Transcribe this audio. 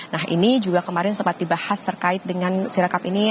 nah ini juga kemarin sempat dibahas terkait dengan si rekap ini